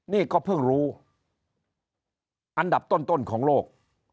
นี่ก็เพิ่งรู้อันดับต้นของโลก